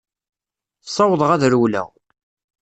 Ssawḍeɣ ad rewleɣ.